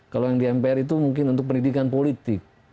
kalau yang di mpr itu mungkin untuk pendidikan politik